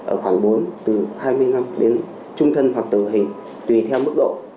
ở khoảng bốn từ hai mươi năm đến trung thân hoặc tử hình tùy theo mức độ